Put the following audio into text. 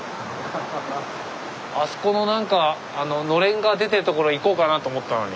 あそこのなんかのれんが出てるところ行こうかなと思ったのに。